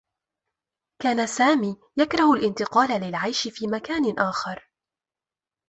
كان سامي يكره الانتقال للعيش في مكان آخر.